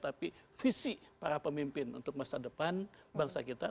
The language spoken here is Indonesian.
tapi visi para pemimpin untuk masa depan bangsa kita